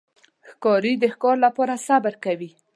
ښکاري د ښکار لپاره صبر کوي.